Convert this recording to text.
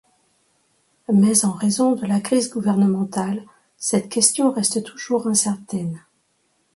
Mais en raison de la crise gouvernementale, cette question reste toujours incertaine.